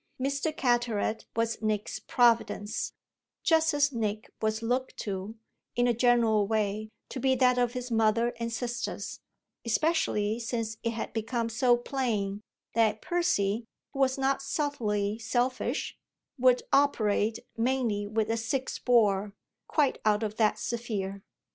Mr. Carteret was Nick's providence, just as Nick was looked to, in a general way, to be that of his mother and sisters, especially since it had become so plain that Percy, who was not subtly selfish, would operate, mainly with a "six bore," quite out of that sphere.